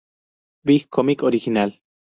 Big Comic Original